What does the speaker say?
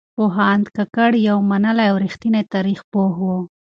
پوهاند کاکړ يو منلی او رښتينی تاريخ پوه و.